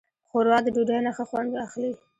ښوروا د ډوډۍ نه ښه خوند اخلي.